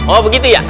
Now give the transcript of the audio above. oh begitu ya